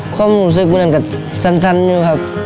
ความรู้สึกเหมือนก็สั้นอยู่ครับ